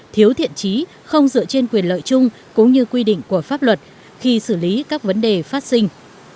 thiếu thiện trí không dựa trên quyền lợi chung cũng như quy định của pháp luật khi xử lý các vấn đề phát sinh